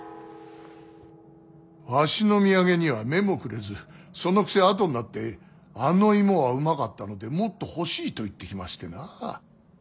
わしの土産には目もくれずそのくせあとになってあの芋はうまかったのでもっと欲しいと言ってきましてな。